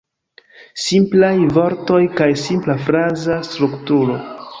Simplaj vortoj kaj simpla fraza strukturo.